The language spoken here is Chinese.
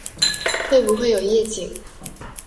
会不会有夜景